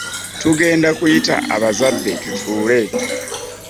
Tugenda kuyita abazadde tutuule.